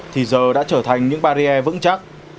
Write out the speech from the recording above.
thì giờ đã trở thành những barrier vững chặt